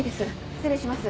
失礼します。